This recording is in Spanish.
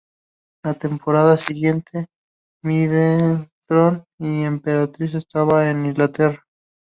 La temporada siguiente Middleton y la Emperatriz estaban en Inglaterra.